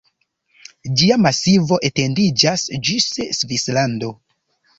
Ĝia masivo etendiĝas ĝis Svislando.